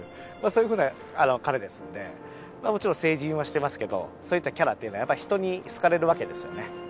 そういうふうな彼ですのでもちろん成人はしていますけどそういったキャラっていうのはやっぱり人に好かれるわけですよね。